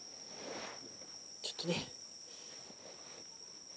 ちょっとね。